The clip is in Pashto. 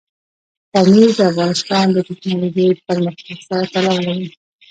پامیر د افغانستان د تکنالوژۍ پرمختګ سره تړاو لري.